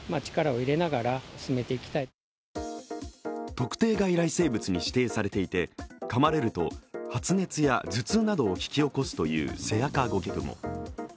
特定外来生物に指定されていてかまれると発熱や頭痛などを引き起こすというセアカゴケグモ。